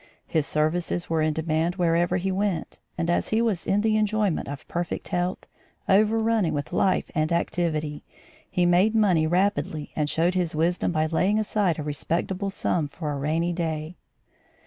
His services were in demand wherever he went, and as he was in the enjoyment of perfect health, overrunning with life and activity, he made money rapidly and showed his wisdom by laying aside a respectable sum for a rainy day.